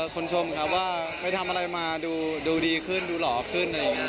ชมครับว่าไปทำอะไรมาดูดีขึ้นดูหล่อขึ้นอะไรอย่างนี้